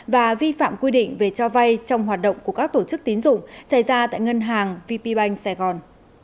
và vi phạm quy định về cho vay trong hoạt động của các tổ chức tín dụng xảy ra tại ngân hàng vp banh sài gòn